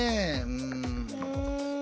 うん。